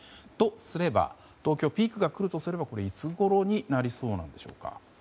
とすれば東京、ピークが来るとすればいつごろになりそうでしょうか。